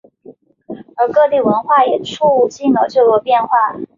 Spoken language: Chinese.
而各地文化也促进了这个变化。